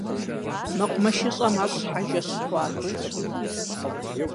МэкъумэшыщӀэм ар щхьэжэ щыхъуат.